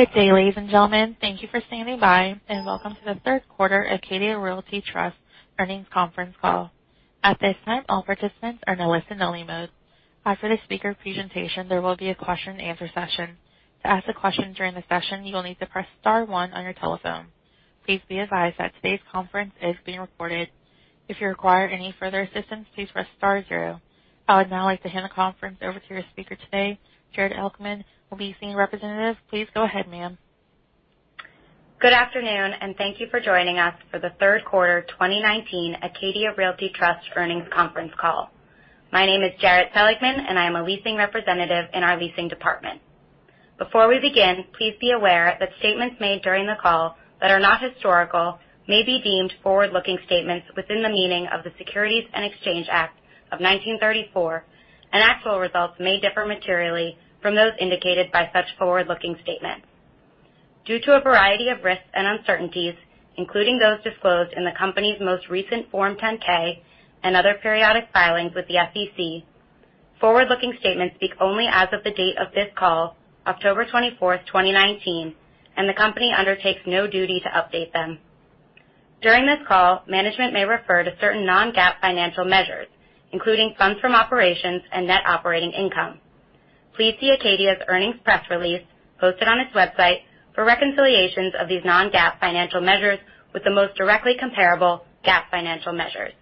Good day, ladies and gentlemen. Thank you for standing by, and welcome to the third quarter Acadia Realty Trust earnings conference call. At this time, all participants are in a listen-only mode. After the speaker presentation, there will be a question and answer session. To ask a question during the session, you will need to press star one on your telephone. Please be advised that today's conference is being recorded. If you require any further assistance, please press star zero. I would now like to hand the conference over to your speaker today, Jarette Seligman, Leasing Representative. Please go ahead, ma'am. Good afternoon, and thank you for joining us for the third quarter 2019 Acadia Realty Trust earnings conference call. My name is Jarette Seligman, and I am a leasing representative in our leasing department. Before we begin, please be aware that statements made during the call that are not historical may be deemed forward-looking statements within the meaning of the Securities Exchange Act of 1934, and actual results may differ materially from those indicated by such forward-looking statements. Due to a variety of risks and uncertainties, including those disclosed in the company's most recent Form 10-K and other periodic filings with the SEC, forward-looking statements speak only as of the date of this call, October 24th, 2019, and the company undertakes no duty to update them. During this call, management may refer to certain non-GAAP financial measures, including funds from operations and net operating income. Please see Acadia's earnings press release posted on its website for reconciliations of these non-GAAP financial measures with the most directly comparable GAAP financial measures.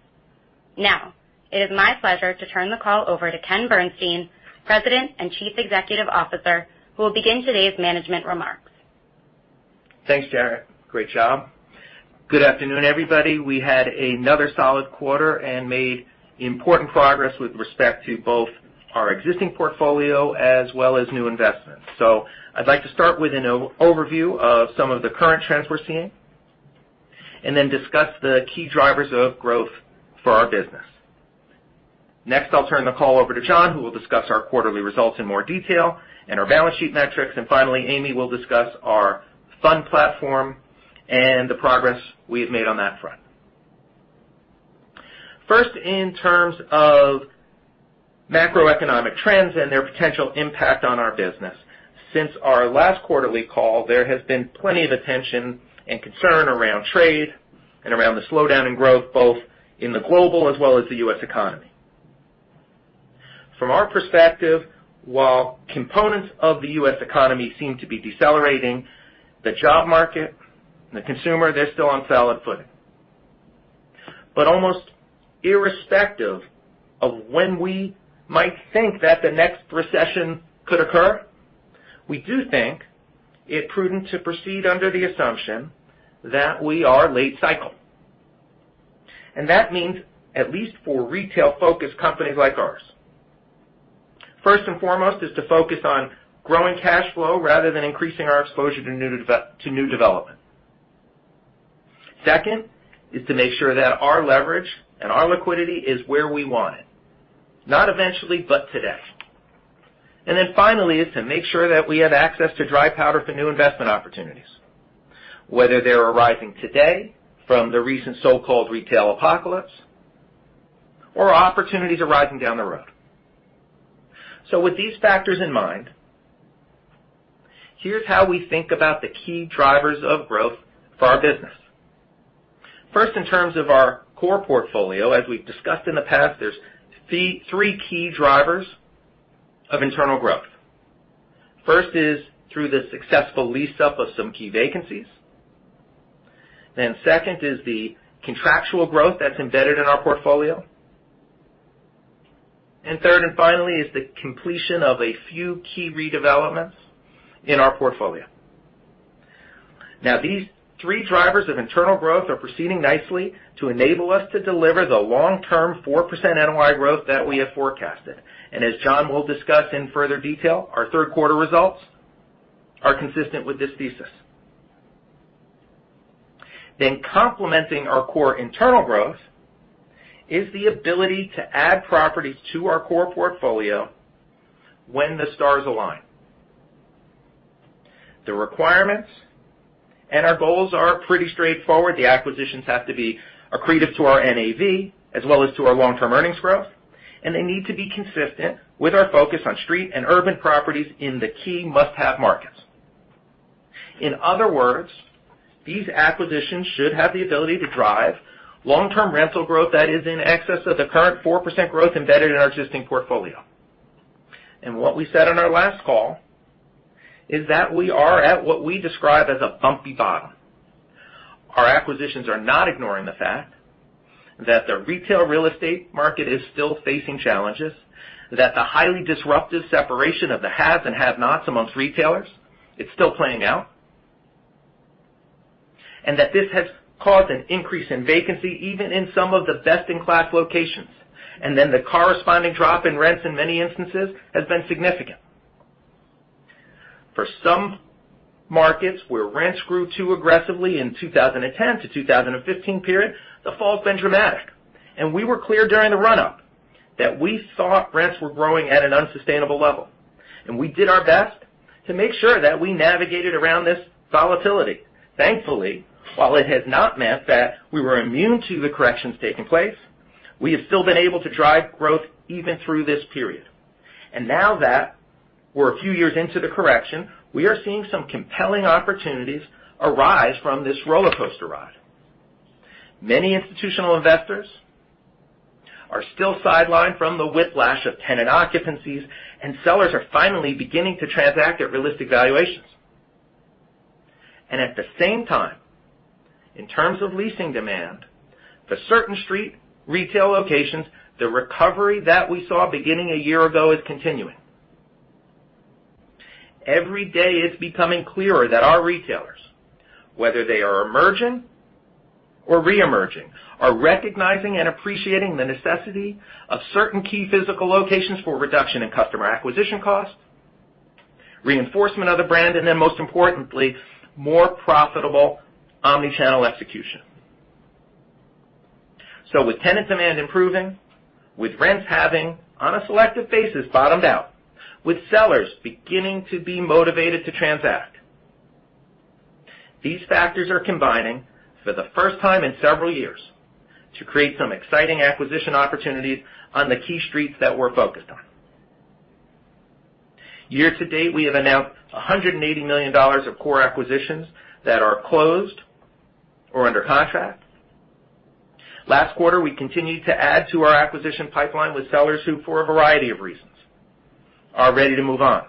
Now, it is my pleasure to turn the call over to Ken Bernstein, President and Chief Executive Officer, who will begin today's management remarks. Thanks, Jarette. Great job. Good afternoon, everybody. We had another solid quarter and made important progress with respect to both our existing portfolio as well as new investments. I'd like to start with an overview of some of the current trends we're seeing, then discuss the key drivers of growth for our business. Next, I'll turn the call over to John, who will discuss our quarterly results in more detail and our balance sheet metrics. Finally, Amy will discuss our fund platform and the progress we have made on that front. First, in terms of macroeconomic trends and their potential impact on our business. Since our last quarterly call, there has been plenty of attention and concern around trade and around the slowdown in growth, both in the global as well as the U.S. economy. From our perspective, while components of the U.S. economy seem to be decelerating, the job market and the consumer, they're still on solid footing. Almost irrespective of when we might think that the next recession could occur, we do think it prudent to proceed under the assumption that we are late cycle. That means at least for retail-focused companies like ours. First and foremost is to focus on growing cash flow rather than increasing our exposure to new development. Second is to make sure that our leverage and our liquidity is where we want it, not eventually, but today. Finally, is to make sure that we have access to dry powder for new investment opportunities, whether they're arising today from the recent so-called retail apocalypse or opportunities arising down the road. With these factors in mind, here's how we think about the key drivers of growth for our business. First, in terms of our core portfolio, as we've discussed in the past, there's three key drivers of internal growth. First is through the successful lease-up of some key vacancies. Second is the contractual growth that's embedded in our portfolio. Third and finally, is the completion of a few key redevelopments in our portfolio. These three drivers of internal growth are proceeding nicely to enable us to deliver the long-term 4% NOI growth that we have forecasted. As John will discuss in further detail, our third quarter results are consistent with this thesis. Complementing our core internal growth is the ability to add properties to our core portfolio when the stars align. The requirements and our goals are pretty straightforward. The acquisitions have to be accretive to our NAV as well as to our long-term earnings growth. They need to be consistent with our focus on street and urban properties in the key must-have markets. In other words, these acquisitions should have the ability to drive long-term rental growth that is in excess of the current 4% growth embedded in our existing portfolio. What we said on our last call is that we are at what we describe as a bumpy bottom. Our acquisitions are not ignoring the fact that the retail real estate market is still facing challenges, that the highly disruptive separation of the haves and have-nots amongst retailers, it is still playing out, and that this has caused an increase in vacancy even in some of the best-in-class locations. The corresponding drop in rents in many instances has been significant. For some markets where rents grew too aggressively in 2010 to 2015 period, the fall's been dramatic. We were clear during the run-up that we thought rents were growing at an unsustainable level, and we did our best to make sure that we navigated around this volatility. Thankfully, while it has not meant that we were immune to the corrections taking place. We have still been able to drive growth even through this period. Now that we're a few years into the correction, we are seeing some compelling opportunities arise from this rollercoaster ride. Many institutional investors are still sidelined from the whiplash of tenant occupancies, and sellers are finally beginning to transact at realistic valuations. At the same time, in terms of leasing demand, for certain street retail locations, the recovery that we saw beginning a year ago is continuing. Every day it's becoming clearer that our retailers, whether they are emerging or re-emerging, are recognizing and appreciating the necessity of certain key physical locations for reduction in customer acquisition costs, reinforcement of the brand, and then most importantly, more profitable omni-channel execution. With tenant demand improving, with rents having, on a selective basis, bottomed out, with sellers beginning to be motivated to transact, these factors are combining for the first time in several years to create some exciting acquisition opportunities on the key streets that we're focused on. Year to date, we have announced $180 million of core acquisitions that are closed or under contract. Last quarter, we continued to add to our acquisition pipeline with sellers who, for a variety of reasons, are ready to move on.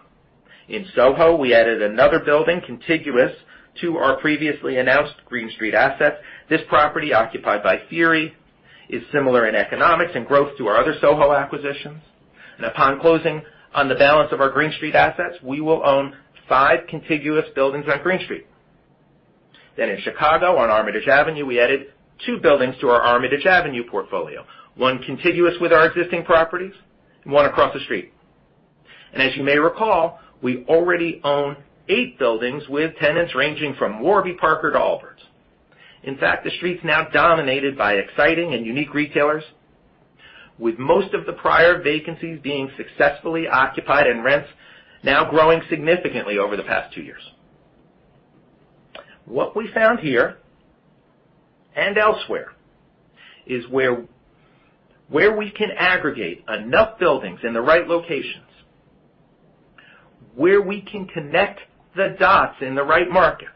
In SoHo, we added another building contiguous to our previously announced Green Street asset. This property, occupied by Theory, is similar in economics and growth to our other SoHo acquisitions. Upon closing on the balance of our Green Street assets, we will own five contiguous buildings on Green Street. In Chicago on Armitage Avenue, we added two buildings to our Armitage Avenue portfolio, one contiguous with our existing properties and one across the street. As you may recall, we already own eight buildings with tenants ranging from Warby Parker to Albertsons. In fact, the street's now dominated by exciting and unique retailers, with most of the prior vacancies being successfully occupied and rents now growing significantly over the past two years. What we found here and elsewhere is where we can aggregate enough buildings in the right locations, where we can connect the dots in the right markets,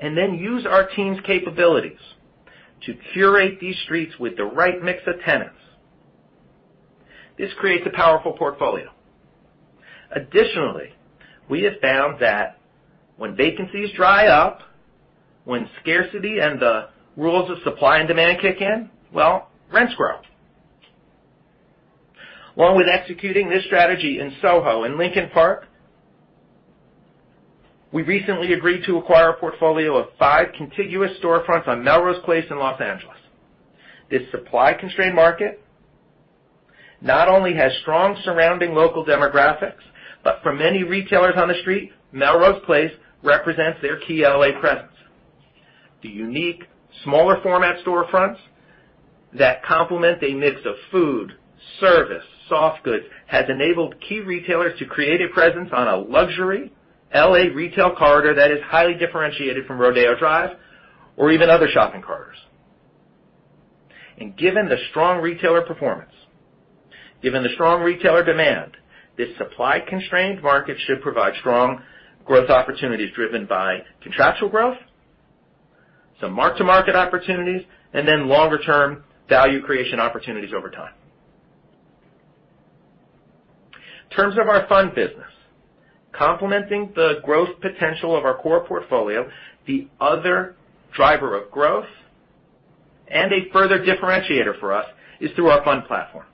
and then use our team's capabilities to curate these streets with the right mix of tenants. This creates a powerful portfolio. Additionally, we have found that when vacancies dry up, when scarcity and the rules of supply and demand kick in, well, rents grow. Along with executing this strategy in SoHo and Lincoln Park, we recently agreed to acquire a portfolio of five contiguous storefronts on Melrose Place in Los Angeles. This supply-constrained market not only has strong surrounding local demographics, but for many retailers on the street, Melrose Place represents their key L.A. presence. The unique smaller format storefronts that complement a mix of food, service, soft goods, has enabled key retailers to create a presence on a luxury L.A. retail corridor that is highly differentiated from Rodeo Drive or even other shopping corridors. Given the strong retailer performance, given the strong retailer demand, this supply-constrained market should provide strong growth opportunities driven by contractual growth, some mark-to-market opportunities, and then longer-term value creation opportunities over time. In terms of our fund business, complementing the growth potential of our core portfolio, the other driver of growth, and a further differentiator for us, is through our fund platform.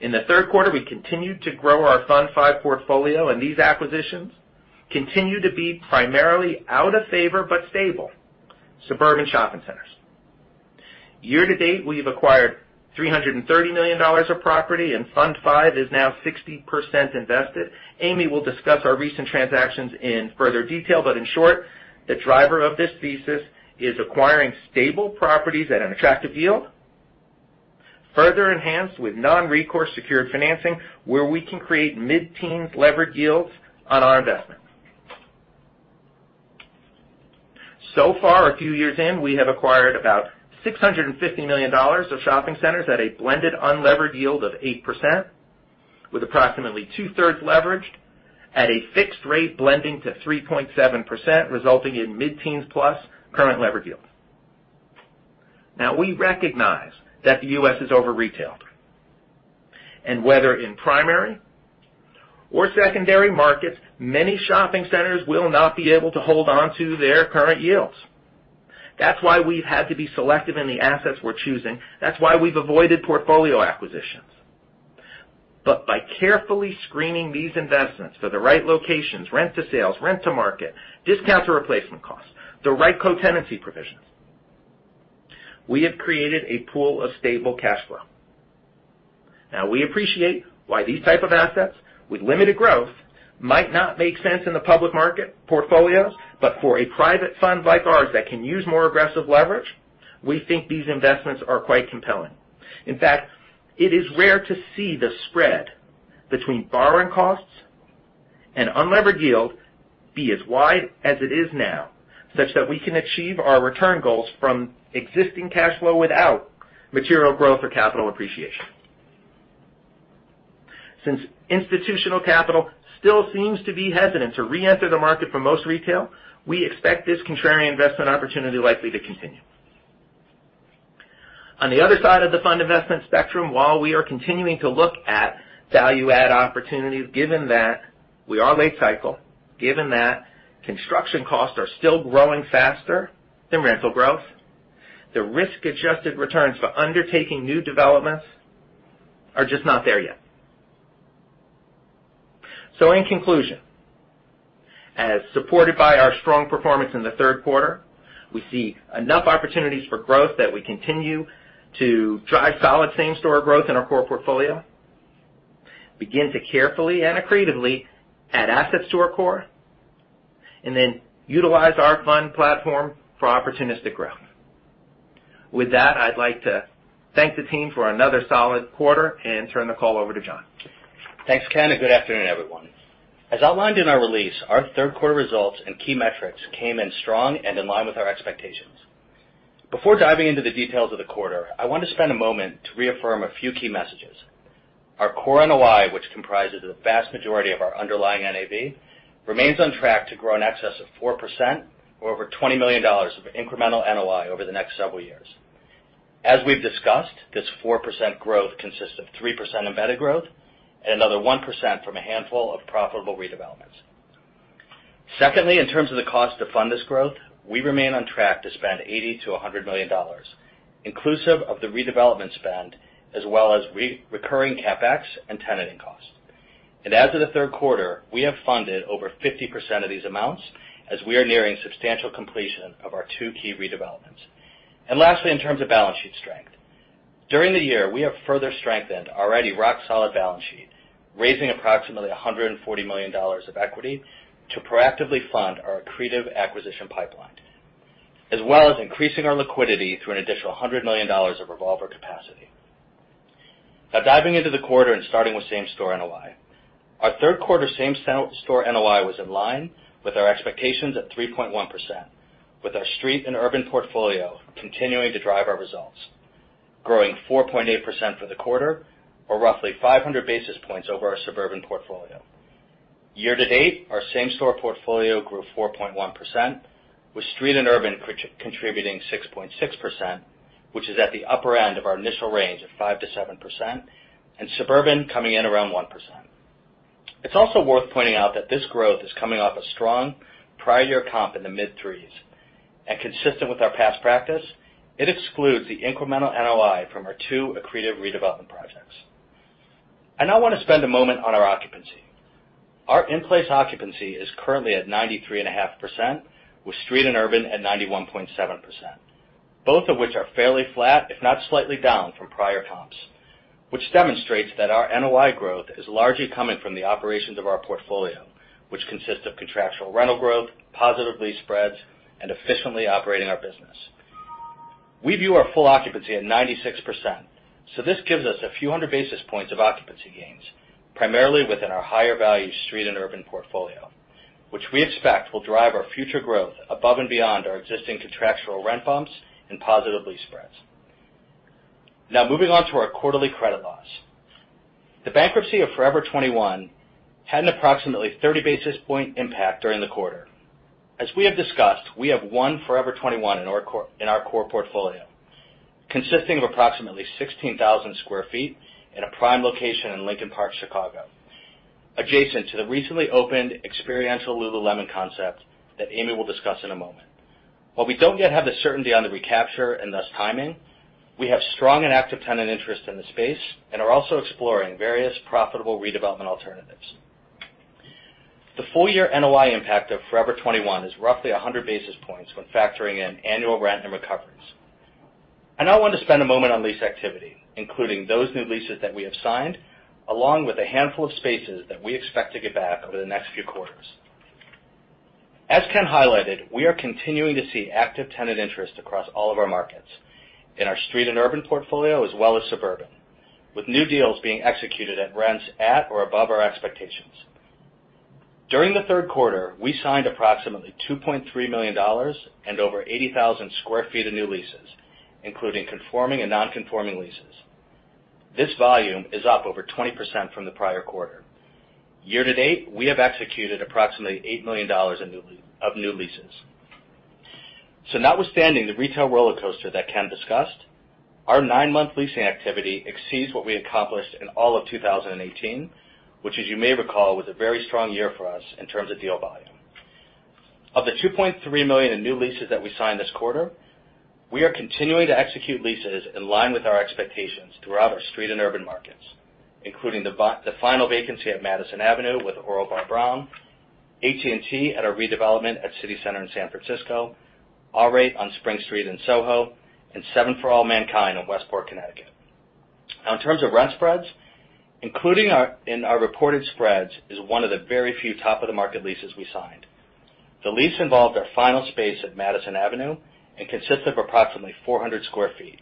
In the third quarter, we continued to grow our Fund V portfolio, and these acquisitions continue to be primarily out of favor, but stable suburban shopping centers. Year to date, we've acquired $330 million of property, and Fund V is now 60% invested. Amy will discuss our recent transactions in further detail, but in short, the driver of this thesis is acquiring stable properties at an attractive yield, further enhanced with non-recourse secured financing, where we can create mid-teens levered yields on our investment. A few years in, we have acquired about $650 million of shopping centers at a blended unlevered yield of 8%, with approximately two-thirds leveraged at a fixed rate blending to 3.7%, resulting in mid-teens plus current levered yield. We recognize that the U.S. is over-retailed, and whether in primary or secondary markets, many shopping centers will not be able to hold on to their current yields. We've had to be selective in the assets we're choosing. We've avoided portfolio acquisitions. By carefully screening these investments for the right locations, rent to sales, rent to market, discount to replacement costs, the right co-tenancy provisions, we have created a pool of stable cash flow. We appreciate why these type of assets with limited growth might not make sense in the public market portfolios, but for a private fund like ours that can use more aggressive leverage, we think these investments are quite compelling. In fact, it is rare to see the spread between borrowing costs and unlevered yield be as wide as it is now, such that we can achieve our return goals from existing cash flow without material growth or capital appreciation. Since institutional capital still seems to be hesitant to reenter the market for most retail, we expect this contrarian investment opportunity likely to continue. On the other side of the fund investment spectrum, while we are continuing to look at value-add opportunities, given that we are late cycle, given that construction costs are still growing faster than rental growth, the risk-adjusted returns for undertaking new developments are just not there yet. In conclusion, as supported by our strong performance in the third quarter, we see enough opportunities for growth that we continue to drive solid same-store growth in our core portfolio, begin to carefully and accretively add assets to our core, and then utilize our fund platform for opportunistic growth. With that, I'd like to thank the team for another solid quarter and turn the call over to John. Thanks, Ken. Good afternoon, everyone. As outlined in our release, our third quarter results and key metrics came in strong and in line with our expectations. Before diving into the details of the quarter, I want to spend a moment to reaffirm a few key messages. Our core NOI, which comprises the vast majority of our underlying NAV, remains on track to grow in excess of 4% or over $20 million of incremental NOI over the next several years. As we've discussed, this 4% growth consists of 3% embedded growth and another 1% from a handful of profitable redevelopments. Secondly, in terms of the cost to fund this growth, we remain on track to spend $80 million-$100 million, inclusive of the redevelopment spend, as well as recurring CapEx and tenanting costs. As of the third quarter, we have funded over 50% of these amounts as we are nearing substantial completion of our two key redevelopments. Lastly, in terms of balance sheet strength, during the year, we have further strengthened our already rock-solid balance sheet, raising approximately $140 million of equity to proactively fund our accretive acquisition pipeline, as well as increasing our liquidity through an additional $100 million of revolver capacity. Now diving into the quarter and starting with same-store NOI. Our third quarter same-store NOI was in line with our expectations at 3.1%, with our street and urban portfolio continuing to drive our results, growing 4.8% for the quarter, or roughly 500 basis points over our suburban portfolio. Year-to-date, our same-store portfolio grew 4.1%, with street and urban contributing 6.6%, which is at the upper end of our initial range of 5%-7%, and suburban coming in around 1%. It's also worth pointing out that this growth is coming off a strong prior year comp in the mid-threes. Consistent with our past practice, it excludes the incremental NOI from our two accretive redevelopment projects. I now want to spend a moment on our occupancy. Our in-place occupancy is currently at 93.5%, with street and urban at 91.7%, both of which are fairly flat, if not slightly down from prior comps, which demonstrates that our NOI growth is largely coming from the operations of our portfolio, which consists of contractual rental growth, positive lease spreads, and efficiently operating our business. We view our full occupancy at 96%, this gives us a few hundred basis points of occupancy gains, primarily within our higher-value street and urban portfolio, which we expect will drive our future growth above and beyond our existing contractual rent bumps and positive lease spreads. Moving on to our quarterly credit loss. The bankruptcy of Forever 21 had an approximately 30-basis-point impact during the quarter. As we have discussed, we have one Forever 21 in our core portfolio, consisting of approximately 16,000 sq ft in a prime location in Lincoln Park, Chicago, adjacent to the recently opened experiential Lululemon concept that Amy will discuss in a moment. While we don't yet have the certainty on the recapture and thus timing, we have strong and active tenant interest in the space and are also exploring various profitable redevelopment alternatives. The full-year NOI impact of Forever 21 is roughly 100 basis points when factoring in annual rent and recoveries. I now want to spend a moment on lease activity, including those new leases that we have signed, along with a handful of spaces that we expect to get back over the next few quarters. As Ken highlighted, we are continuing to see active tenant interest across all of our markets, in our street and urban portfolio as well as suburban, with new deals being executed at rents at or above our expectations. During the third quarter, we signed approximately $2.3 million and over 80,000 sq ft of new leases, including conforming and non-conforming leases. This volume is up over 20% from the prior quarter. Year-to-date, we have executed approximately $8 million of new leases. Notwithstanding the retail rollercoaster that Ken discussed, our nine-month leasing activity exceeds what we accomplished in all of 2018, which, as you may recall, was a very strong year for us in terms of deal volume. Of the $2.3 million in new leases that we signed this quarter, we are continuing to execute leases in line with our expectations throughout our street and urban markets, including the final vacancy at Madison Avenue with Orlebar Brown, AT&T at our redevelopment at City Center in San Francisco, Allbirds on Spring Street in SoHo, and 7 For All Mankind in Westport, Connecticut. In terms of rent spreads, including in our reported spreads is one of the very few top-of-the-market leases we signed. The lease involved our final space at Madison Avenue and consists of approximately 400 sq ft.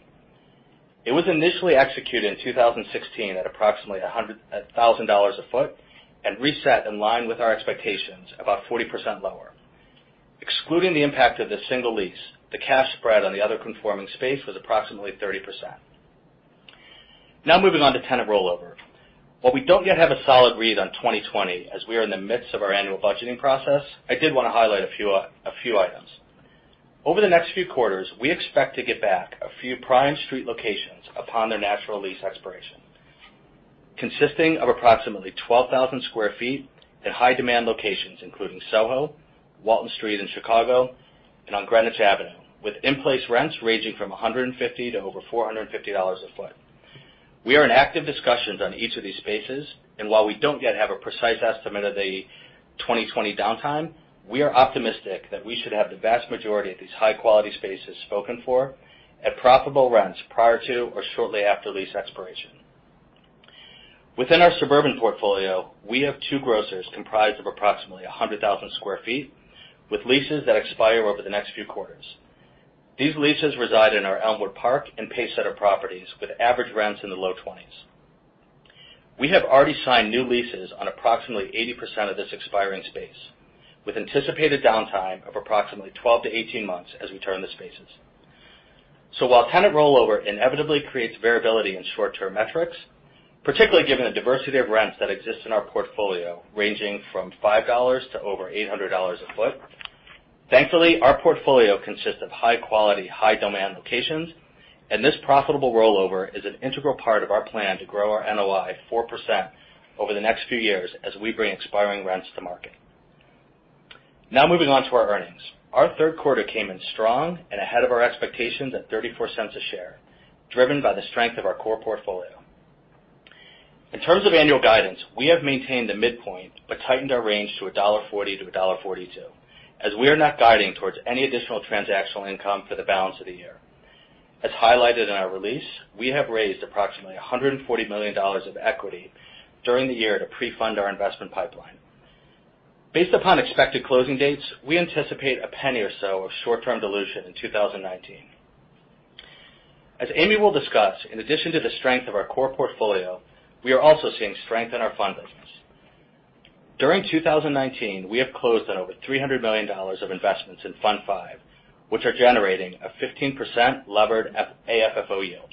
It was initially executed in 2016 at approximately $100,000 a foot and reset in line with our expectations, about 40% lower. Excluding the impact of this single lease, the cash spread on the other conforming space was approximately 30%. Moving on to tenant rollover. While we don't yet have a solid read on 2020, as we are in the midst of our annual budgeting process, I did want to highlight a few items. Over the next few quarters, we expect to get back a few prime street locations upon their natural lease expiration, consisting of approximately 12,000 sq ft in high-demand locations, including SoHo, Walton Street in Chicago, and on Greenwich Avenue, with in-place rents ranging from 150 to over $450 a foot. While we don't yet have a precise estimate of the 2020 downtime, we are optimistic that we should have the vast majority of these high-quality spaces spoken for at profitable rents prior to or shortly after lease expiration. Within our suburban portfolio, we have two grocers comprised of approximately 100,000 sq ft, with leases that expire over the next few quarters. These leases reside in our Elmwood Park and Pacesetter properties with average rents in the low $20s. We have already signed new leases on approximately 80% of this expiring space, with anticipated downtime of approximately 12 to 18 months as we turn the spaces. While tenant rollover inevitably creates variability in short-term metrics, particularly given the diversity of rents that exist in our portfolio, ranging from $5 to over $800 a foot. Thankfully, our portfolio consists of high-quality, high-demand locations, and this profitable rollover is an integral part of our plan to grow our NOI 4% over the next few years as we bring expiring rents to market. Now moving on to our earnings. Our third quarter came in strong and ahead of our expectations at $0.34 a share, driven by the strength of our core portfolio. In terms of annual guidance, we have maintained the midpoint but tightened our range to $1.40 to $1.42, as we are not guiding towards any additional transactional income for the balance of the year. As highlighted in our release, we have raised approximately $140 million of equity during the year to pre-fund our investment pipeline. Based upon expected closing dates, we anticipate $0.01 or so of short-term dilution in 2019. As Amy will discuss, in addition to the strength of our core portfolio, we are also seeing strength in our fund business. During 2019, we have closed on over $300 million of investments in Fund V, which are generating a 15% levered AFFO yield.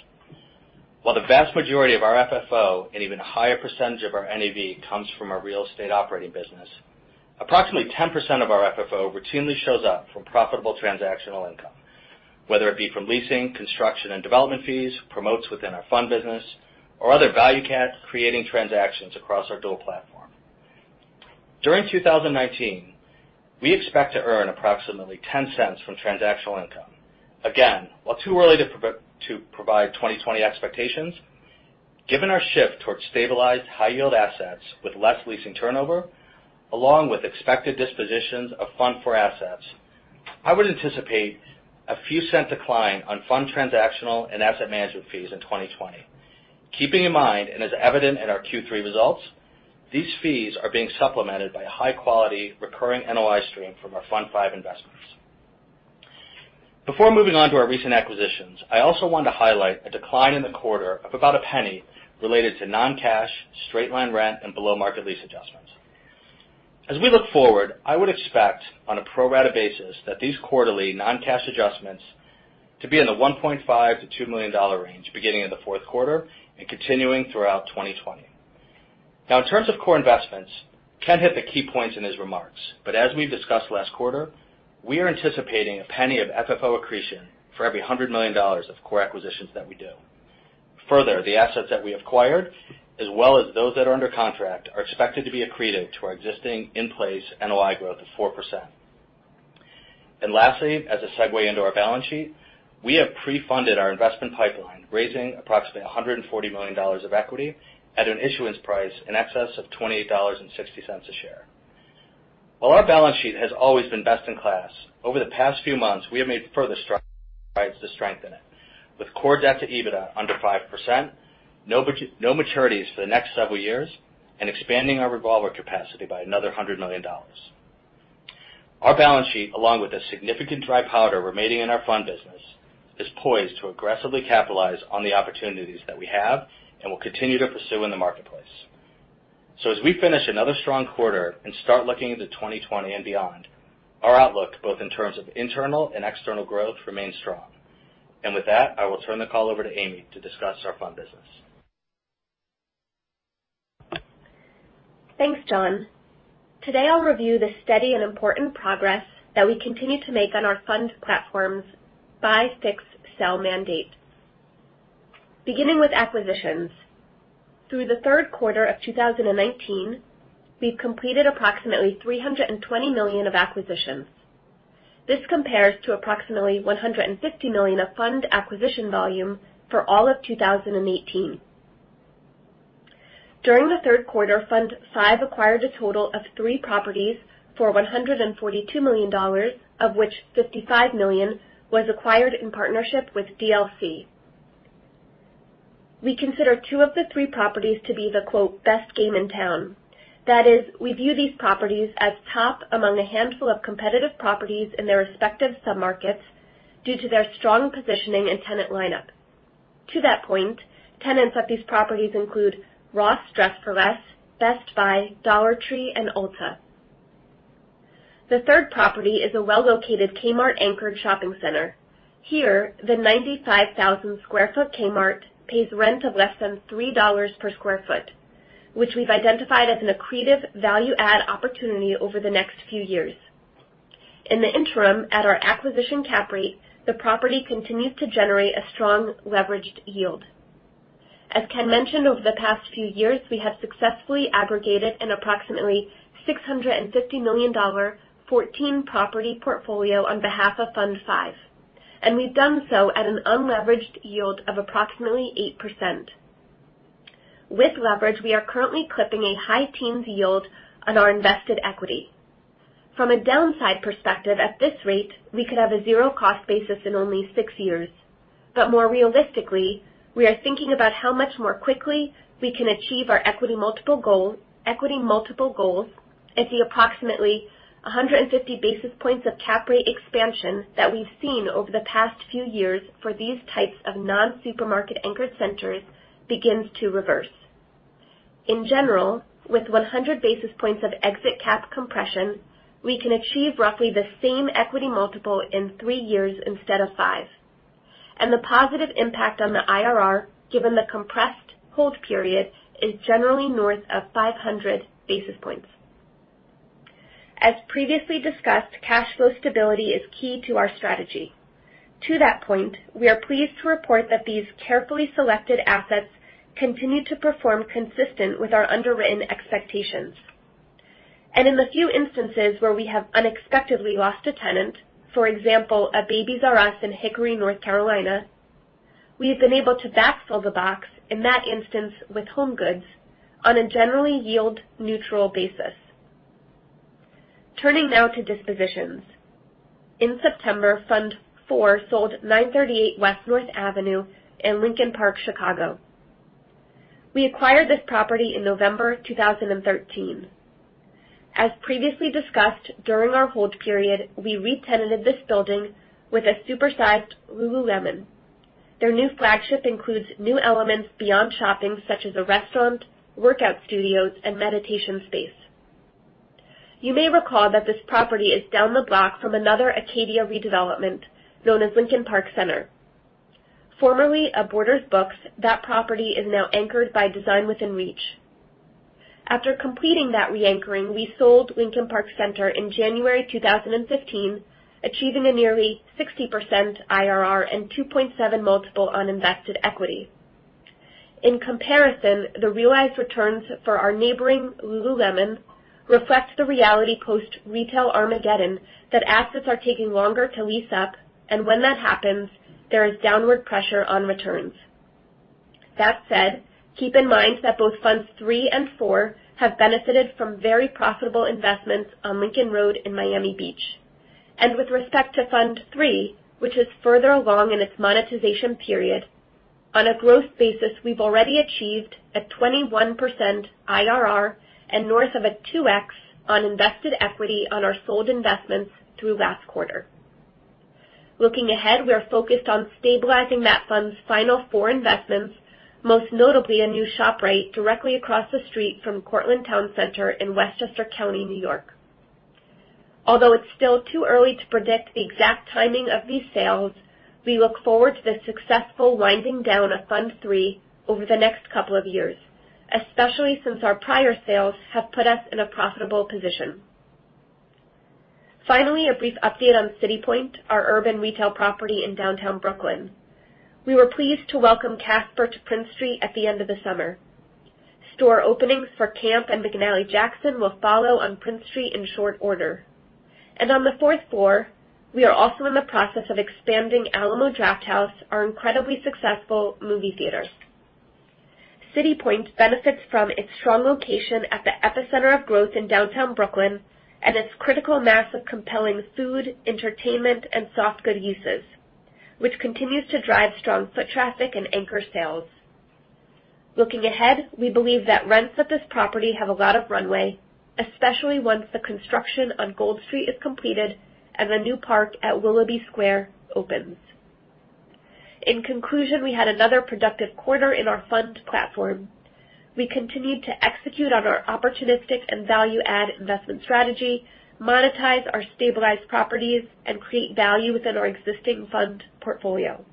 While the vast majority of our FFO, and even a higher percentage of our NAV, comes from our real estate operating business, approximately 10% of our FFO routinely shows up from profitable transactional income, whether it be from leasing, construction, and development fees, promotes within our fund business, or other value-creating transactions across our dual platform. During 2019, we expect to earn approximately $0.10 from transactional income. Again, while too early to provide 2020 expectations, given our shift towards stabilized high-yield assets with less leasing turnover, along with expected dispositions of Fund IV assets, I would anticipate a few cent decline on fund transactional and asset management fees in 2020. Keeping in mind, and as evident in our Q3 results, these fees are being supplemented by a high-quality, recurring NOI stream from our Fund V investments. Before moving on to our recent acquisitions, I also want to highlight a decline in the quarter of about a penny related to non-cash, straight-line rent, and below-market lease adjustments. As we look forward, I would expect on a pro-rata basis that these quarterly non-cash adjustments to be in the $1.5 million-$2 million range beginning in the fourth quarter and continuing throughout 2020. Now, in terms of core investments, Ken hit the key points in his remarks. As we discussed last quarter, we are anticipating a penny of FFO accretion for every $100 million of core acquisitions that we do. The assets that we acquired, as well as those that are under contract, are expected to be accretive to our existing in-place NOI growth of 4%. Lastly, as a segue into our balance sheet, we have pre-funded our investment pipeline, raising approximately $140 million of equity at an issuance price in excess of $28.60 a share. While our balance sheet has always been best in class, over the past few months, we have made further strides to strengthen it with core debt to EBITDA under 5%, no maturities for the next several years, and expanding our revolver capacity by another $100 million. Our balance sheet, along with the significant dry powder remaining in our fund business, is poised to aggressively capitalize on the opportunities that we have and will continue to pursue in the marketplace. As we finish another strong quarter and start looking into 2020 and beyond, our outlook, both in terms of internal and external growth, remains strong. With that, I will turn the call over to Amy to discuss our fund business. Thanks, John. Today, I'll review the steady and important progress that we continue to make on our fund platform's buy, fix, sell mandate. Beginning with acquisitions. Through the third quarter of 2019, we've completed approximately $320 million of acquisitions. This compares to approximately $150 million of fund acquisition volume for all of 2018. During the third quarter, Fund V acquired a total of three properties for $142 million, of which $55 million was acquired in partnership with DLC. We consider two of the three properties to be the quote, "Best game in town." That is, we view these properties as top among a handful of competitive properties in their respective submarkets due to their strong positioning and tenant lineup. To that point, tenants at these properties include Ross Dress for Less, Best Buy, Dollar Tree, and Ulta. The third property is a well-located Kmart anchored shopping center. Here, the 95,000 sq ft Kmart pays rent of less than $3 per sq ft, which we've identified as an accretive value add opportunity over the next few years. In the interim, at our acquisition cap rate, the property continues to generate a strong leveraged yield. As Ken mentioned, over the past few years, we have successfully aggregated an approximately $650 million, 14-property portfolio on behalf of Fund 5, and we've done so at an unleveraged yield of approximately 8%. With leverage, we are currently clipping a high teens yield on our invested equity. From a downside perspective, at this rate, we could have a zero cost basis in only six years. More realistically, we are thinking about how much more quickly we can achieve our equity multiple goals as the approximately 150 basis points of cap rate expansion that we've seen over the past few years for these types of non-supermarket anchored centers begins to reverse. In general, with 100 basis points of exit cap compression, we can achieve roughly the same equity multiple in three years instead of five. The positive impact on the IRR, given the compressed hold period, is generally north of 500 basis points. As previously discussed, cash flow stability is key to our strategy. To that point, we are pleased to report that these carefully selected assets continue to perform consistent with our underwritten expectations. In the few instances where we have unexpectedly lost a tenant, for example, a Babies R Us in Hickory, North Carolina, we have been able to backfill the box, in that instance, with HomeGoods on a generally yield neutral basis. Turning now to dispositions. In September, Fund IV sold 938 West North Avenue in Lincoln Park, Chicago. We acquired this property in November 2013. As previously discussed, during our hold period, we re-tenanted this building with a supersized Lululemon. Their new flagship includes new elements beyond shopping, such as a restaurant, workout studios, and meditation space. You may recall that this property is down the block from another Acadia redevelopment known as Lincoln Park Center. Formerly a Borders Books, that property is now anchored by Design Within Reach. After completing that re-anchoring, we sold Lincoln Park Center in January 2015, achieving a nearly 60% IRR and 2.7 multiple on invested equity. In comparison, the realized returns for our neighboring Lululemon reflects the reality post-retail Armageddon that assets are taking longer to lease up, and when that happens, there is downward pressure on returns. That said, keep in mind that both Funds 3 and 4 have benefited from very profitable investments on Lincoln Road in Miami Beach. With respect to Fund 3, which is further along in its monetization period, on a growth basis, we've already achieved a 21% IRR and north of a 2X on invested equity on our sold investments through last quarter. Looking ahead, we are focused on stabilizing that fund's final four investments, most notably a new ShopRite directly across the street from Cortlandt Town Center in Westchester County, New York. Although it's still too early to predict the exact timing of these sales, we look forward to the successful winding down of Fund III over the next couple of years, especially since our prior sales have put us in a profitable position. Finally, a brief update on City Point, our urban retail property in Downtown Brooklyn. We were pleased to welcome Casper to Prince Street at the end of the summer. Store openings for CAMP and McNally Jackson will follow on Prince Street in short order. On the fourth floor, we are also in the process of expanding Alamo Drafthouse, our incredibly successful movie theater. City Point benefits from its strong location at the epicenter of growth in Downtown Brooklyn and its critical mass of compelling food, entertainment, and soft good uses, which continues to drive strong foot traffic and anchor sales. Looking ahead, we believe that rents at this property have a lot of runway, especially once the construction on Gold Street is completed and the new park at Willoughby Square opens. In conclusion, we had another productive quarter in our fund platform. We continued to execute on our opportunistic and value add investment strategy, monetize our stabilized properties, and create value within our existing fund portfolio.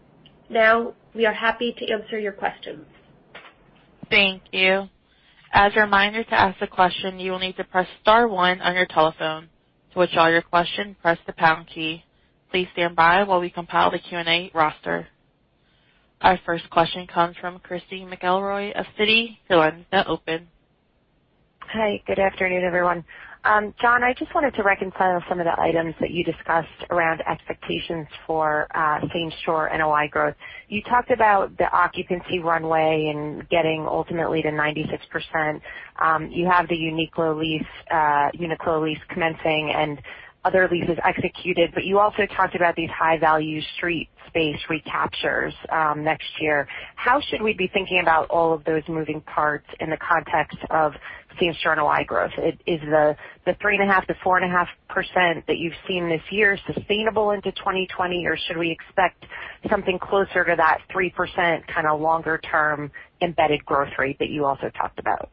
We are happy to answer your questions. Thank you. As a reminder, to ask a question, you will need to press star one on your telephone. To withdraw your question, press the pound key. Please stand by while we compile the Q&A roster. Our first question comes from Christy McElroy of Citi. The line is now open. Hi. Good afternoon, everyone. John, I just wanted to reconcile some of the items that you discussed around expectations for same-store NOI growth. You talked about the occupancy runway and getting ultimately to 96%. You have the Uniqlo lease commencing and other leases executed, but you also talked about these high-value street space recaptures next year. How should we be thinking about all of those moving parts in the context of same-store NOI growth? Is the 3.5% to 4.5% that you've seen this year sustainable into 2020, or should we expect something closer to that 3% kind of longer-term embedded growth rate that you also talked about?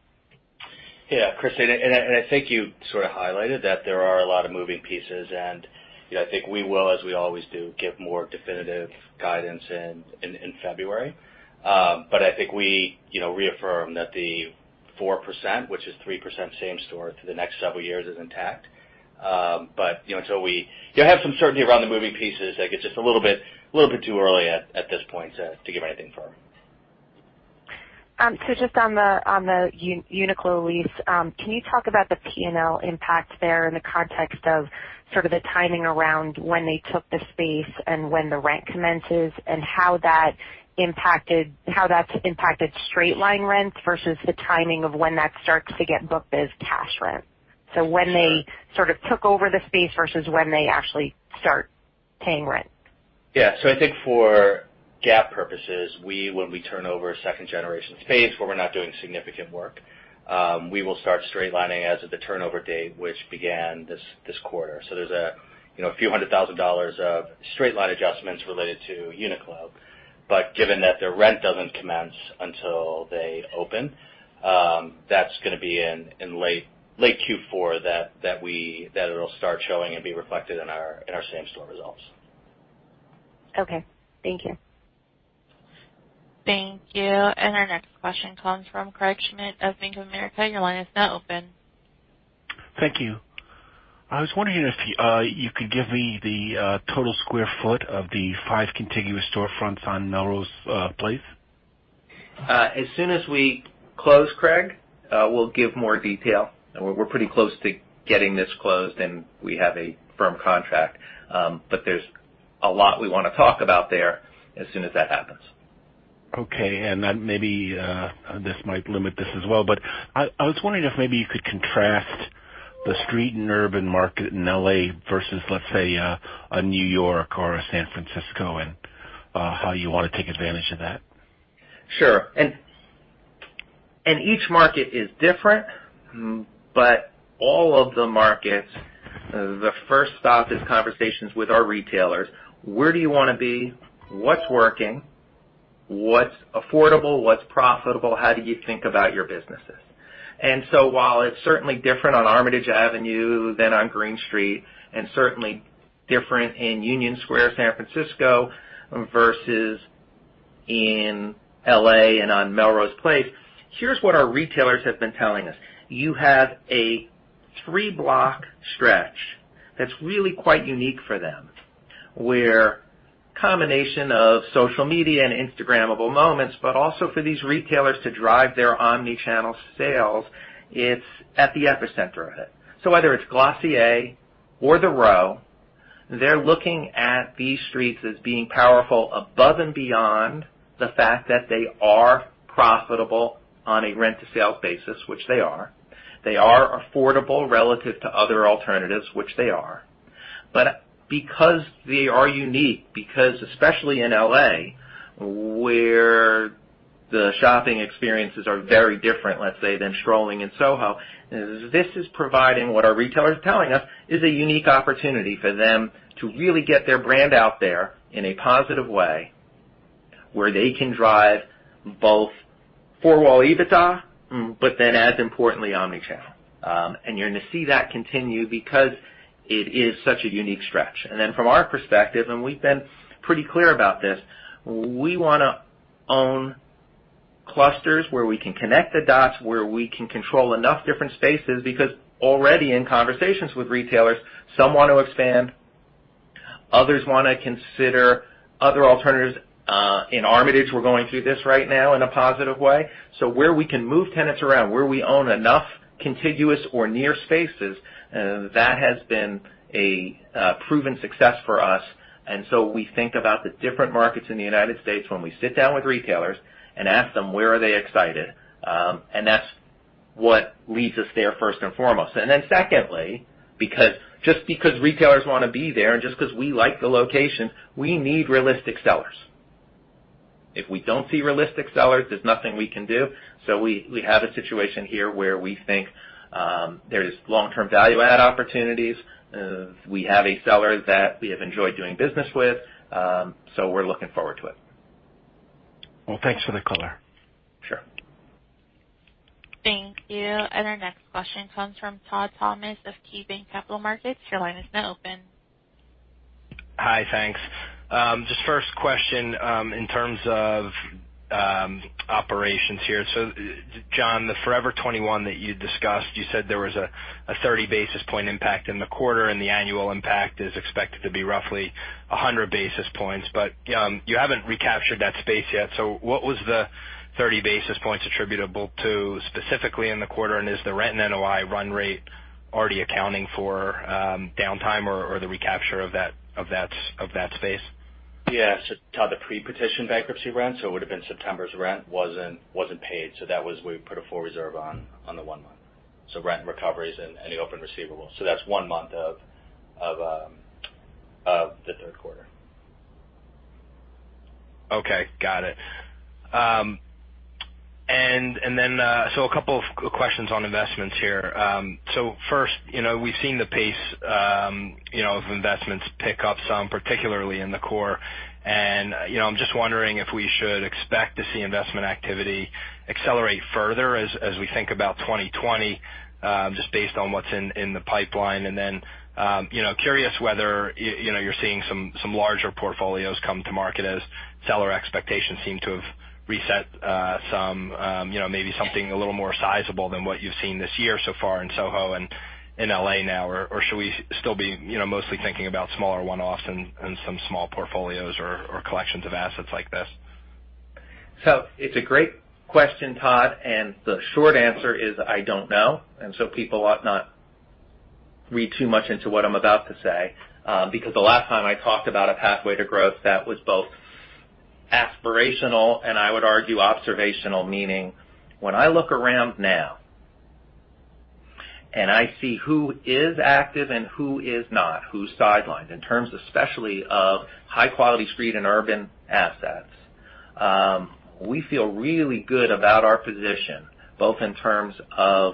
Yeah. Christy, I think you sort of highlighted that there are a lot of moving pieces. I think we will, as we always do, give more definitive guidance in February. I think we reaffirm that the 4%, which is 3% same store for the next several years, is intact. Until we have some certainty around the moving pieces, I think it's just a little bit too early at this point to give anything firm. Just on the Uniqlo lease, can you talk about the P&L impact there in the context of sort of the timing around when they took the space and when the rent commences, and how that's impacted straight line rents versus the timing of when that starts to get booked as cash rent? Sure. When they sort of took over the space versus when they actually start paying rent. I think for GAAP purposes, when we turn over second-generation space where we're not doing significant work, we will start straight lining as of the turnover date, which began this quarter. There's a few hundred thousand dollars of straight line adjustments related to Uniqlo. Given that their rent doesn't commence until they open, that's going to be in late Q4 that it'll start showing and be reflected in our same-store results. Okay. Thank you. Thank you. Our next question comes from Craig Schmidt of Bank of America. Your line is now open. Thank you. I was wondering if you could give me the total sq ft of the five contiguous storefronts on Melrose Place. As soon as we close, Craig, we'll give more detail. We're pretty close to getting this closed, and we have a firm contract. There's a lot we want to talk about there as soon as that happens. Okay. Maybe, this might limit this as well, but I was wondering if maybe you could contrast the street and urban market in L.A. versus, let's say, a New York or a San Francisco, and how you want to take advantage of that. Sure. Each market is different, but all of the markets, the first stop is conversations with our retailers. Where do you want to be? What's working? What's affordable? What's profitable? How do you think about your businesses? While it's certainly different on Armitage Avenue than on Green Street, and certainly different in Union Square, San Francisco, versus in L.A. and on Melrose Place, here's what our retailers have been telling us. You have a three-block stretch that's really quite unique for them, where combination of social media and Instagrammable moments, but also for these retailers to drive their omni-channel sales, it's at the epicenter of it. Whether it's Glossier or The Row, they're looking at these streets as being powerful above and beyond the fact that they are profitable on a rent-to-sale basis, which they are. They are affordable relative to other alternatives, which they are. Because they are unique, because especially in L.A., where the shopping experiences are very different, let's say, than strolling in Soho, this is providing what our retailers are telling us is a unique opportunity for them to really get their brand out there in a positive way, where they can drive both four-wall EBITDA, but then as importantly, omni-channel. You're going to see that continue because it is such a unique stretch. From our perspective, and we've been pretty clear about this, we want to own clusters where we can connect the dots, where we can control enough different spaces, because already in conversations with retailers, some want to expand, others want to consider other alternatives. In Armitage, we're going through this right now in a positive way. Where we can move tenants around, where we own enough contiguous or near spaces, that has been a proven success for us, and so we think about the different markets in the United States when we sit down with retailers and ask them, where are they excited? That's what leads us there first and foremost. Secondly, just because retailers want to be there and just because we like the location, we need realistic sellers. If we don't see realistic sellers, there's nothing we can do. We have a situation here where we think there's long-term value add opportunities. We have a seller that we have enjoyed doing business with, so we're looking forward to it. Well, thanks for the color. Sure. Thank you. Our next question comes from Todd Thomas of KeyBanc Capital Markets. Your line is now open. Hi. Thanks. Just first question, in terms of operations here. John, the Forever 21 that you discussed, you said there was a 30-basis point impact in the quarter, and the annual impact is expected to be roughly 100 basis points. You haven't recaptured that space yet, so what was the 30 basis points attributable to specifically in the quarter? Is the rent and NOI run rate already accounting for downtime or the recapture of that space? Yes. Todd, the pre-petition bankruptcy rent, so it would've been September's rent, wasn't paid. We put a full reserve on the one month, rent and recoveries and any open receivables. That's one month of the third quarter. Okay. Got it. A couple of questions on investments here. First, we've seen the pace of investments pick up some, particularly in the core. I'm just wondering if we should expect to see investment activity accelerate further as we think about 2020, just based on what's in the pipeline. Curious whether you're seeing some larger portfolios come to market as seller expectations seem to have reset some, maybe something a little more sizable than what you've seen this year so far in SoHo and in L.A. now. Should we still be mostly thinking about smaller one-offs and some small portfolios or collections of assets like this? It's a great question, Todd, and the short answer is, I don't know. People ought not read too much into what I'm about to say. Because the last time I talked about a pathway to growth that was both aspirational and, I would argue, observational, meaning when I look around now and I see who is active and who is not, who's sidelined, in terms especially of high-quality street and urban assets, we feel really good about our position, both in terms of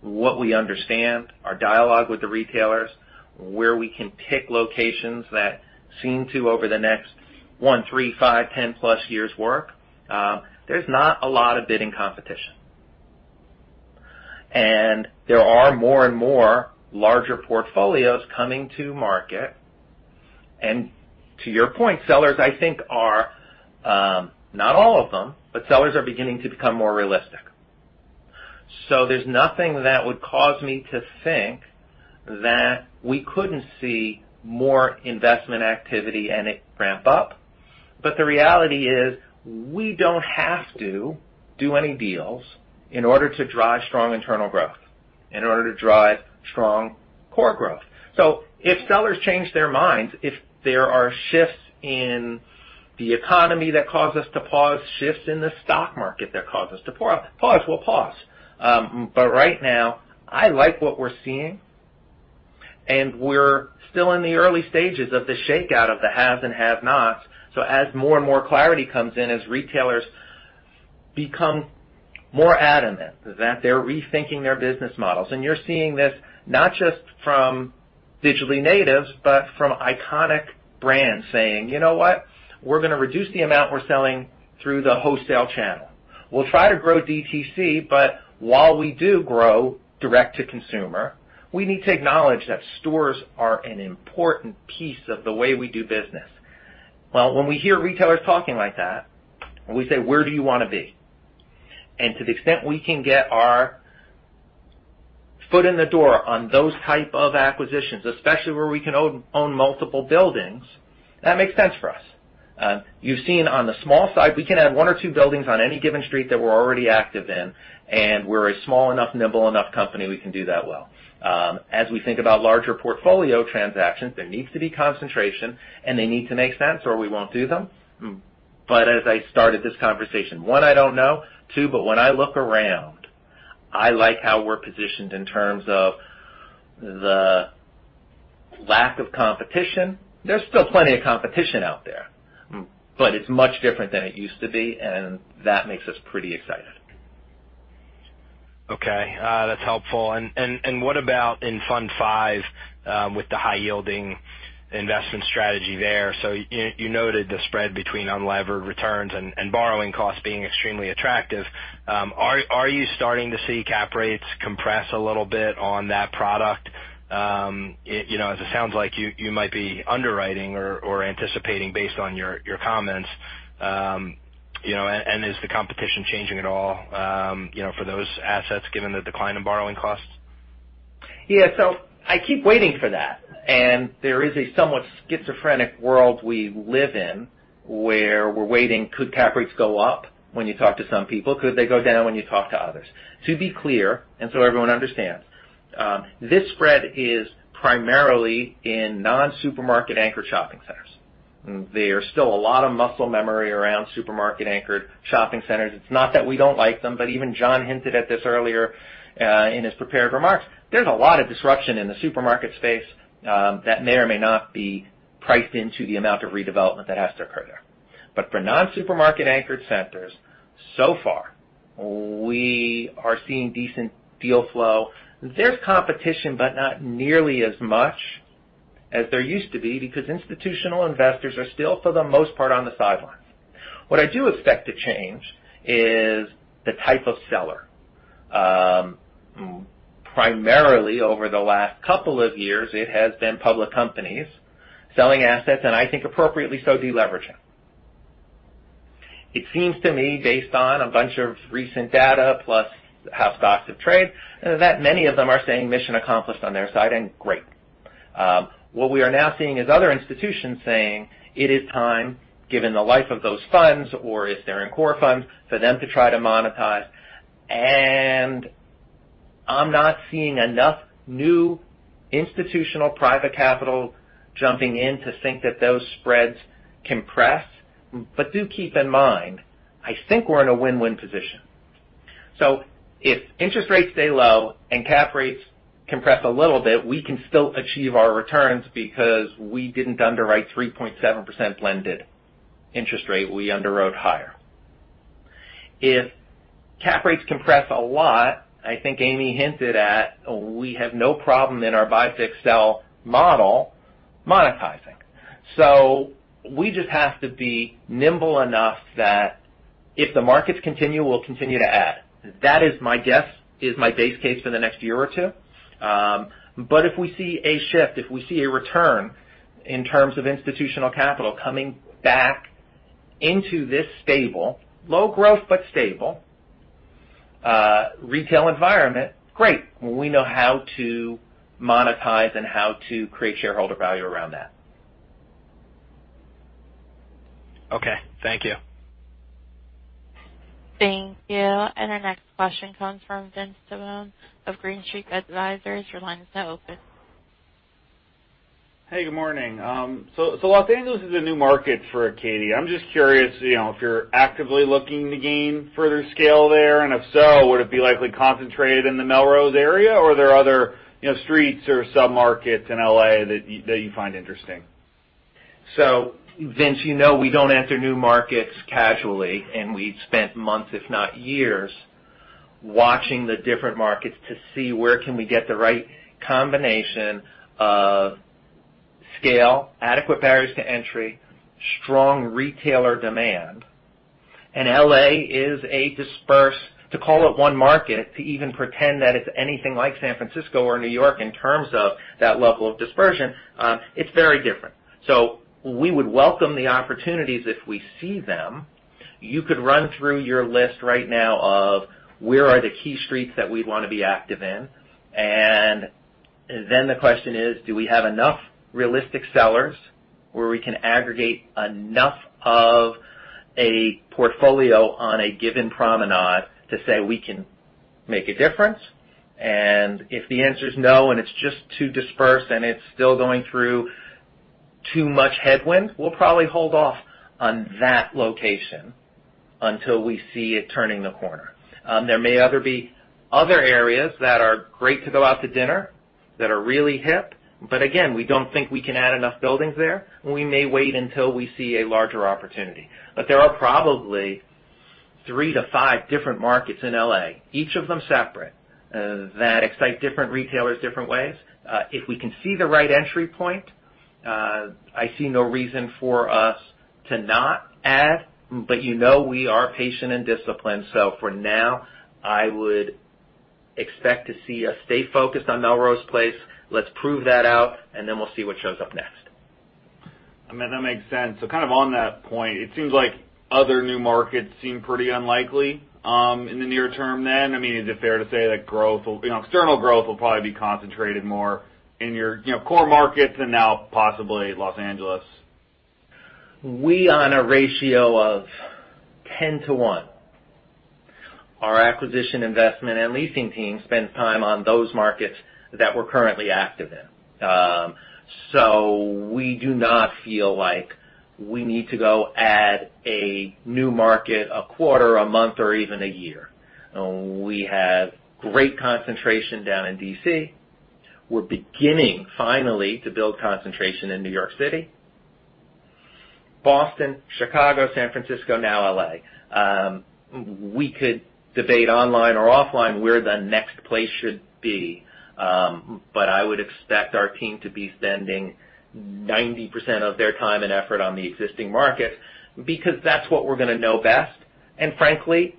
what we understand, our dialogue with the retailers, where we can pick locations that seem to, over the next one, three, five, 10 plus years, work. There's not a lot of bidding competition. There are more and more larger portfolios coming to market. To your point, sellers, I think are, not all of them, but sellers are beginning to become more realistic. There's nothing that would cause me to think that we couldn't see more investment activity and it ramp up. The reality is, we don't have to do any deals in order to drive strong internal growth, in order to drive strong core growth. If sellers change their minds, if there are shifts in the economy that cause us to pause, shifts in the stock market that cause us to pause, we'll pause. Right now, I like what we're seeing, and we're still in the early stages of the shakeout of the haves and have-nots. As more and more clarity comes in, as retailers become more adamant that they're rethinking their business models, and you're seeing this not just from digitally natives, but from iconic brands saying, "You know what? We're going to reduce the amount we're selling through the wholesale channel. We'll try to grow DTC, but while we do grow direct to consumer, we need to acknowledge that stores are an important piece of the way we do business. Well, when we hear retailers talking like that, and we say, "Where do you want to be?" To the extent we can get our foot in the door on those type of acquisitions, especially where we can own multiple buildings, that makes sense for us. You've seen on the small side, we can add one or two buildings on any given street that we're already active in, and we're a small enough, nimble enough company, we can do that well. As we think about larger portfolio transactions, there needs to be concentration, and they need to make sense, or we won't do them. As I started this conversation, one, I don't know. Two, when I look around, I like how we're positioned in terms of the lack of competition. There's still plenty of competition out there, but it's much different than it used to be, and that makes us pretty excited. Okay. That's helpful. What about in Fund V with the high-yielding investment strategy there? You noted the spread between unlevered returns and borrowing costs being extremely attractive. Are you starting to see cap rates compress a little bit on that product, as it sounds like you might be underwriting or anticipating based on your comments? Is the competition changing at all for those assets, given the decline in borrowing costs? Yeah. I keep waiting for that, and there is a somewhat schizophrenic world we live in where we're waiting. Could cap rates go up, when you talk to some people? Could they go down, when you talk to others? To be clear, everyone understands, this spread is primarily in non-supermarket anchored shopping centers. There are still a lot of muscle memory around supermarket anchored shopping centers. It's not that we don't like them, but even John hinted at this earlier, in his prepared remarks. There's a lot of disruption in the supermarket space, that may or may not be priced into the amount of redevelopment that has to occur there. For non-supermarket anchored centers, so far, we are seeing decent deal flow. There's competition, but not nearly as much as there used to be because institutional investors are still, for the most part, on the sidelines. What I do expect to change is the type of seller. Primarily over the last couple of years, it has been public companies selling assets, and I think appropriately so, deleveraging. It seems to me, based on a bunch of recent data, plus how stocks have traded, that many of them are saying mission accomplished on their side, and great. What we are now seeing is other institutions saying it is time, given the life of those funds, or if they're in core funds, for them to try to monetize. I'm not seeing enough new institutional private capital jumping in to think that those spreads compress. Do keep in mind, I think we're in a win-win position. If interest rates stay low and cap rates compress a little bit, we can still achieve our returns because we didn't underwrite 3.7% blended interest rate. We underwrote higher. If cap rates compress a lot, I think Amy hinted at, we have no problem in our buy, fix, and sell model monetizing. We just have to be nimble enough that if the markets continue, we'll continue to add. That is my guess, is my base case for the next year or two. If we see a shift, if we see a return in terms of institutional capital coming back into this stable, low growth, but stable, retail environment, great. We know how to monetize and how to create shareholder value around that. Okay. Thank you. Thank you. Our next question comes from Vince Tibone of Green Street. Your line is now open. Hey, good morning. Los Angeles is a new market for Acadia. I'm just curious if you're actively looking to gain further scale there, and if so, would it be likely concentrated in the Melrose area, or are there other streets or sub-markets in L.A. that you find interesting? Vince, you know we don't enter new markets casually, and we spent months, if not years, watching the different markets to see where can we get the right combination of scale, adequate barriers to entry, strong retailer demand. To call it one market, to even pretend that it's anything like San Francisco or New York in terms of that level of dispersion, it's very different. We would welcome the opportunities if we see them. You could run through your list right now of where are the key streets that we'd want to be active in, and then the question is, do we have enough realistic sellers where we can aggregate enough of a portfolio on a given promenade to say we can make a difference? If the answer is no, and it's just too dispersed, and it's still going through too much headwind, we'll probably hold off on that location until we see it turning the corner. There may other be other areas that are great to go out to dinner that are really hip, but again, we don't think we can add enough buildings there. We may wait until we see a larger opportunity. There are probably three to five different markets in L.A., each of them separate, that excite different retailers different ways. If we can see the right entry point, I see no reason for us to not add, but you know we are patient and disciplined. For now, I would expect to see us stay focused on Melrose Place. Let's prove that out, and then we'll see what shows up next. That makes sense. Kind of on that point, it seems like other new markets seem pretty unlikely, in the near term then. Is it fair to say that external growth will probably be concentrated more in your core markets, and now possibly Los Angeles? We on a ratio of 10 to 1. Our acquisition investment and leasing team spends time on those markets that we're currently active in. We do not feel like we need to go add a new market a quarter, a month, or even a year. We have great concentration down in D.C. We're beginning, finally, to build concentration in New York City, Boston, Chicago, San Francisco, now L.A. We could debate online or offline where the next place should be. I would expect our team to be spending 90% of their time and effort on the existing markets, because that's what we're going to know best. Frankly,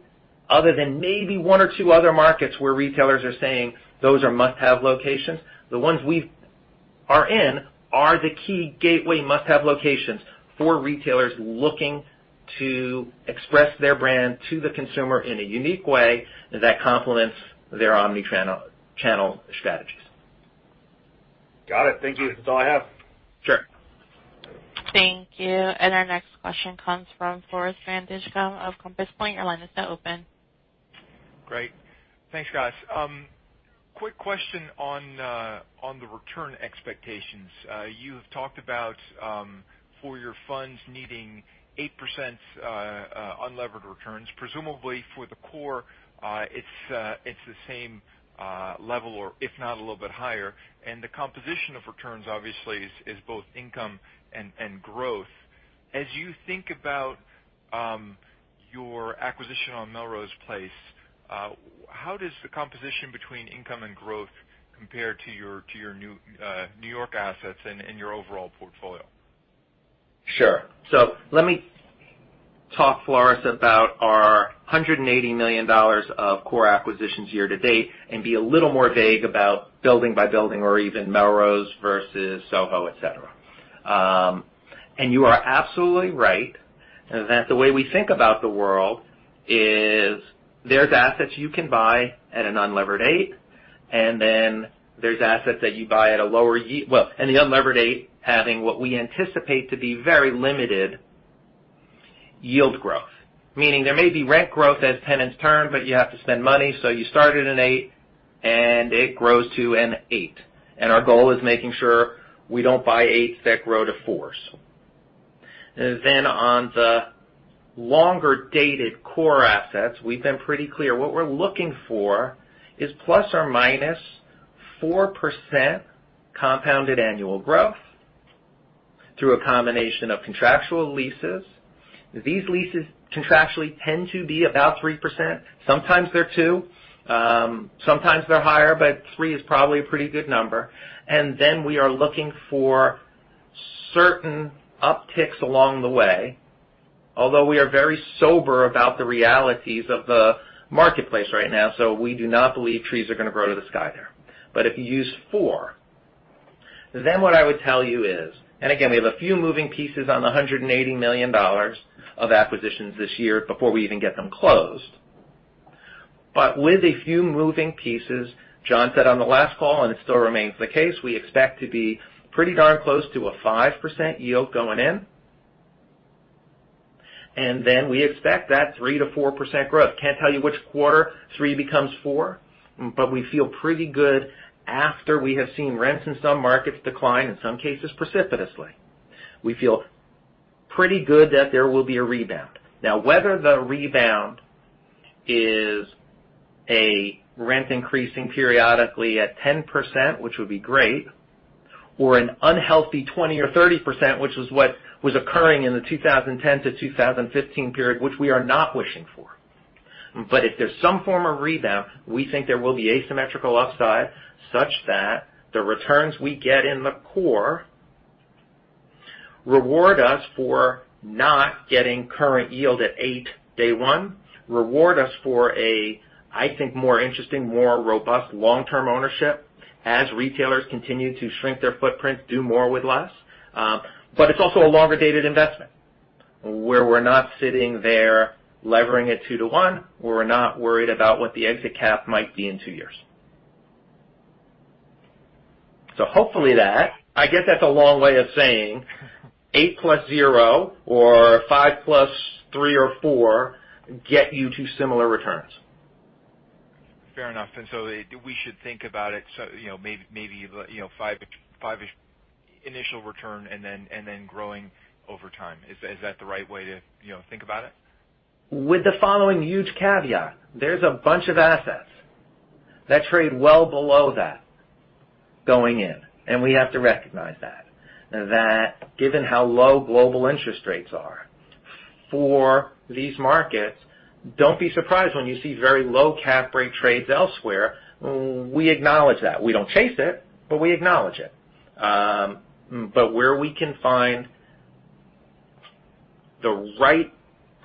other than maybe one or two other markets where retailers are saying those are must-have locations, the ones we are in are the key gateway must-have locations for retailers looking to express their brand to the consumer in a unique way that complements their omni-channel strategies. Got it. Thank you. That's all I have. Sure. Thank you. Our next question comes from Floris van Dijkum of Compass Point. Your line is now open. Great. Thanks, guys. Quick question on the return expectations. You have talked about, for your funds needing 8% unlevered returns, presumably for the core, it's the same level or if not a little bit higher, and the composition of returns obviously is both income and growth. As you think about your acquisition on Melrose Place, how does the composition between income and growth compare to your New York assets and your overall portfolio? Sure. Let me talk, Floris, about our $180 million of core acquisitions year-to-date, and be a little more vague about building by building or even Melrose versus Soho, et cetera. You are absolutely right that the way we think about the world is there's assets you can buy at an unlevered 8, and then there's assets that you buy at a lower. Well, the unlevered 8 having what we anticipate to be very limited yield growth, meaning there may be rent growth as tenants turn, but you have to spend money. You start at an 8, and it grows to an 8. Our goal is making sure we don't buy 8s that grow to 4s. On the longer-dated core assets, we've been pretty clear. What we're looking for is ±4% compounded annual growth through a combination of contractual leases. These leases contractually tend to be about 3%. Sometimes they're two, sometimes they're higher, but three is probably a pretty good number. Then we are looking for certain upticks along the way, although we are very sober about the realities of the marketplace right now, we do not believe trees are going to grow to the sky there. If you use four, then what I would tell you is, and again, we have a few moving pieces on the $180 million of acquisitions this year before we even get them closed. With a few moving pieces, John said on the last call, and it still remains the case, we expect to be pretty darn close to a 5% yield going in. Then we expect that 3%-4% growth. Can't tell you which quarter three becomes four, we feel pretty good after we have seen rents in some markets decline, in some cases precipitously. We feel pretty good that there will be a rebound. Whether the rebound is a rent increasing periodically at 10%, which would be great, or an unhealthy 20% or 30%, which is what was occurring in the 2010-2015 period, which we are not wishing for. If there's some form of rebound, we think there will be asymmetrical upside such that the returns we get in the core reward us for not getting current yield at 8%, day one. Reward us for a, I think, more interesting, more robust long-term ownership as retailers continue to shrink their footprint, do more with less. It's also a longer-dated investment, where we're not sitting there levering at 2 to 1. We're not worried about what the exit cap might be in two years. Hopefully that I guess that's a long way of saying eight plus zero or five plus three or four get you to similar returns. Fair enough. We should think about it, maybe five-ish initial return and then growing over time. Is that the right way to think about it? With the following huge caveat, there's a bunch of assets that trade well below that going in, and we have to recognize that. Given how low global interest rates are for these markets, don't be surprised when you see very low cap rate trades elsewhere. We acknowledge that. We don't chase it, but we acknowledge it. Where we can find the right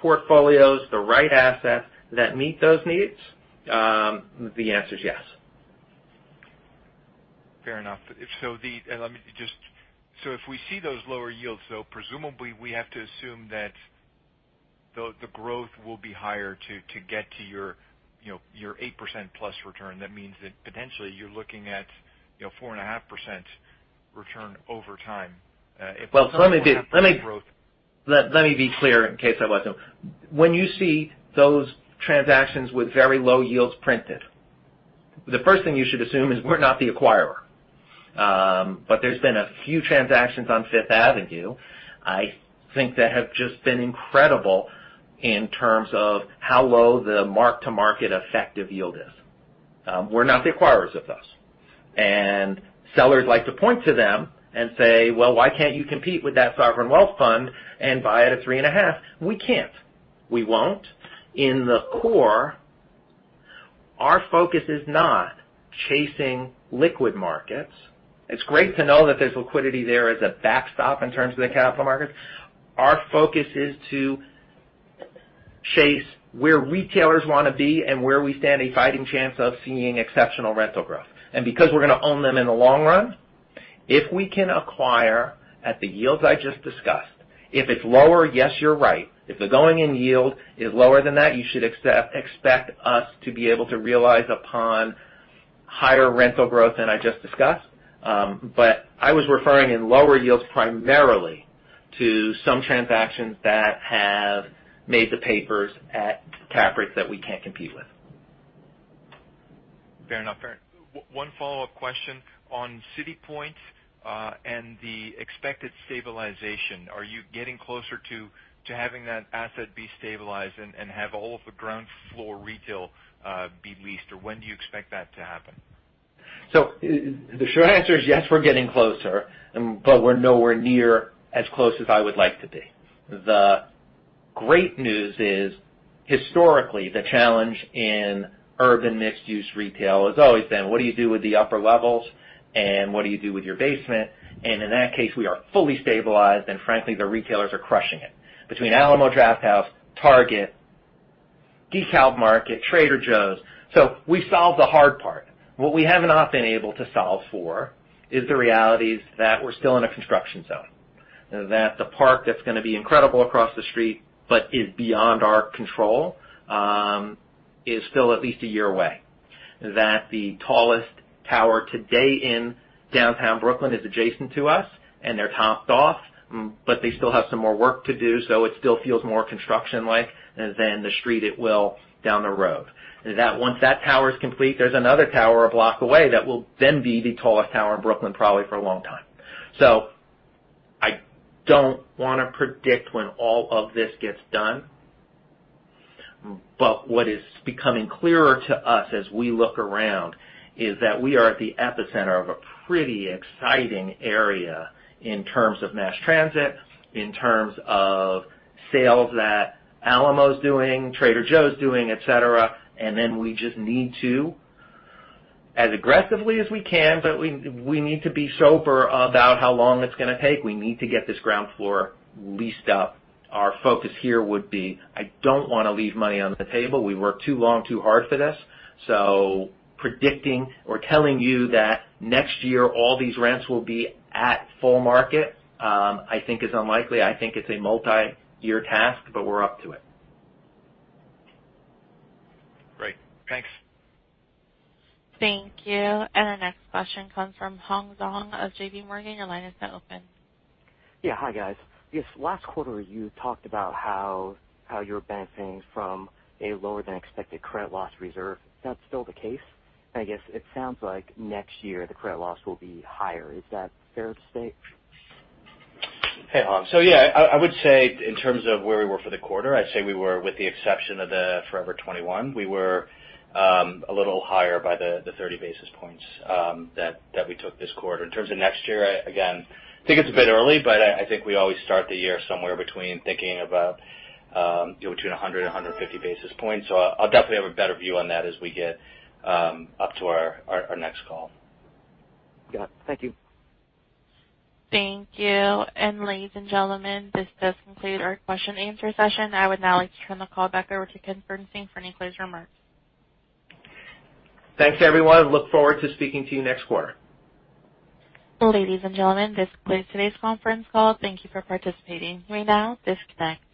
portfolios, the right assets that meet those needs, the answer is yes. Fair enough. If we see those lower yields, though, presumably, we have to assume that the growth will be higher to get to your 8%+ return. That means that potentially you're looking at 4.5% return over time. Well, let me be clear in case I wasn't. When you see those transactions with very low yields printed, the first thing you should assume is we're not the acquirer. There's been a few transactions on Fifth Avenue, I think, that have just been incredible in terms of how low the mark-to-market effective yield is. We're not the acquirers of those. Sellers like to point to them and say, "Well, why can't you compete with that sovereign wealth fund and buy at a three and a half?" We can't. We won't. In the core, our focus is not chasing liquid markets. It's great to know that there's liquidity there as a backstop in terms of the capital markets. Our focus is to chase where retailers want to be and where we stand a fighting chance of seeing exceptional rental growth. Because we're going to own them in the long run, if we can acquire at the yields I just discussed. If it's lower, yes, you're right. If the going-in yield is lower than that, you should expect us to be able to realize upon higher rental growth than I just discussed. I was referring in lower yields primarily to some transactions that have made the papers at cap rates that we can't compete with. Fair enough. One follow-up question on City Point, and the expected stabilization. Are you getting closer to having that asset be stabilized and have all of the ground floor retail be leased, or when do you expect that to happen? The short answer is, yes, we're getting closer, but we're nowhere near as close as I would like to be. The. Great news is, historically, the challenge in urban mixed-use retail has always been, what do you do with the upper levels, and what do you do with your basement? In that case, we are fully stabilized, and frankly, the retailers are crushing it. Between Alamo Drafthouse, Target, DeKalb Market, Trader Joe's. We've solved the hard part. What we have not been able to solve for is the realities that we're still in a construction zone. That the park that's going to be incredible across the street, but is beyond our control, is still at least a year away. That the tallest tower today in downtown Brooklyn is adjacent to us, and they're topped off, but they still have some more work to do, so it still feels more construction-like than the street it will down the road. Once that tower's complete, there's another tower a block away that will be the tallest tower in Brooklyn probably for a long time. I don't want to predict when all of this gets done. What is becoming clearer to us as we look around is that we are at the epicenter of a pretty exciting area in terms of mass transit, in terms of sales that Alamo's doing, Trader Joe's doing, et cetera, we just need to, as aggressively as we can, we need to be sober about how long it's going to take. We need to get this ground floor leased up. Our focus here would be, I don't want to leave money on the table. We worked too long, too hard for this. Predicting or telling you that next year, all these rents will be at full market, I think is unlikely. I think it's a multi-year task, but we're up to it. Great, thanks. Thank you. Our next question comes from Hong Zhang of JPMorgan. Your line is now open. Yeah. Hi, guys. I guess last quarter you talked about how you're benefiting from a lower than expected credit loss reserve. Is that still the case? I guess it sounds like next year the credit loss will be higher. Is that fair to say? Hey, Hong. Yeah, I would say in terms of where we were for the quarter, I'd say we were, with the exception of the Forever 21, a little higher by the 30 basis points that we took this quarter. In terms of next year, again, I think it's a bit early, but I think we always start the year somewhere between thinking about between 100 and 150 basis points. I'll definitely have a better view on that as we get up to our next call. Got it. Thank you. Thank you. Ladies and gentlemen, this does conclude our question and answer session. I would now like to turn the call back over to Kenneth Bernstein for any closing remarks. Thanks, everyone. Look forward to speaking to you next quarter. Ladies and gentlemen, this concludes today's conference call. Thank you for participating. You may now disconnect.